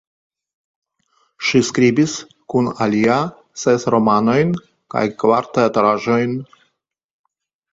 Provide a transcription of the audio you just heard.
Ŝi skribis kun alia ses romanojn kaj kvar teatraĵojn.